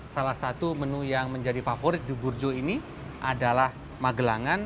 salah satu menu yang menjadi favorit di burjo ini adalah magelangan